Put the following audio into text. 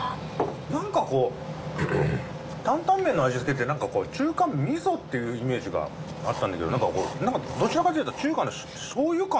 何かこう「担々麺の味付け」って何かこう中華味噌っていうイメージがあったんだけど何かどちらかと言うと中華のしょうゆ感がないですか？